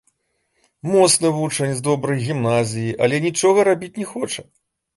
Моцны вучань з добрай гімназіі, але нічога рабіць не хоча.